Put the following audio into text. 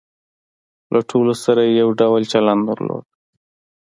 له ټولو سره یې یو ډول چلن درلود.